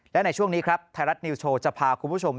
และในช่วงนี้ครับไทยรัฐนิวโชว์จะพาคุณผู้ชม